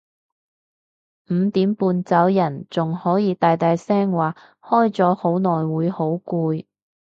五點半走人仲可以大大聲話開咗好耐會好攰